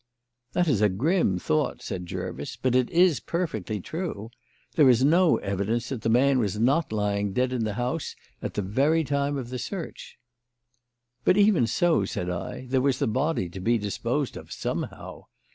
"That is a grim thought," said Jervis; "But it is perfectly true. There is no evidence that the man was not lying dead in the house at the very time of the search." "But even so," said I, "there was the body to be disposed of somehow.